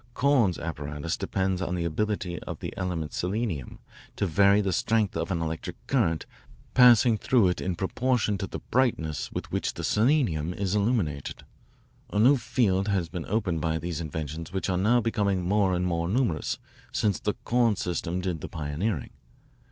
Korn's apparatus depends on the ability of the element selenium to vary the strength of an electric current passing through it in proportion to the brightness with which the selenium is illuminated. A new field has been opened by these inventions which are now becoming more and more numerous, since the Korn system did the pioneering.